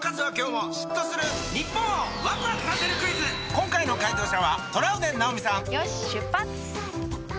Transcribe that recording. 今回の解答者はトラウデン直美さんよし出発！